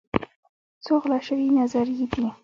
څو غلا شوي نظريې دي